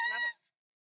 aku udah kerja